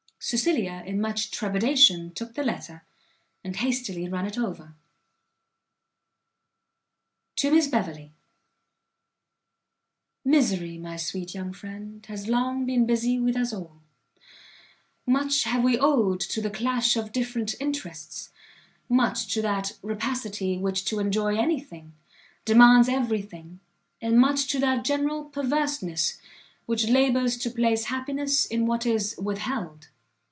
Cecilia in much trepidation took the letter, and hastily run it over. To Miss Beverley. Misery, my sweet young friend, has long been busy with us all; much have we owed to the clash of different interests, much to that rapacity which to enjoy any thing, demands every thing, and much to that general perverseness which labours to place happiness in what is with held.